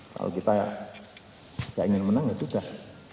kalau kita nggak ingin menang ya sudah